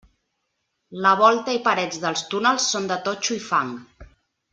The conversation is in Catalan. La volta i parets dels túnels són de totxo i fang.